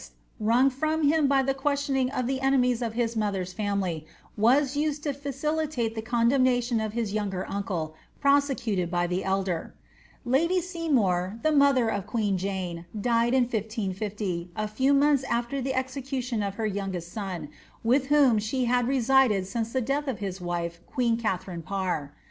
333 BBTefled,' that the childish testimony of Edward VI^ wrung from him bf ihe qaestioning of the enemies of his mother's (kmily, was used to fiicilitite the condemnation of his younger uncle, prosecuted by the elder. Lady Seymour, the mother of queen Jane, died in 1550, a few months after the execution of her youngest son, with whom she had reiided since the death of his wife, queen Katharine Parr.